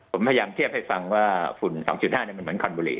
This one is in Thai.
ผมพยายามเทียบให้ฟังว่าฝุ่น๒๕มันเหมือนคอนบุรี